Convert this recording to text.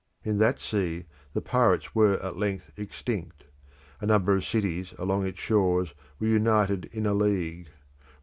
In that sea the pirates were at length extinct; a number of cities along its shores were united in a league.